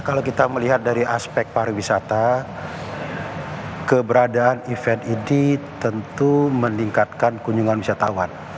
kalau kita melihat dari aspek pariwisata keberadaan event ini tentu meningkatkan kunjungan wisatawan